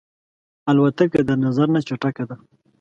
الوتکه د نظر نه چټکه ده.